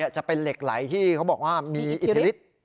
จะเป็นเหล็กไหลที่เขาบอกว่ามีอิทธิฤทธิ์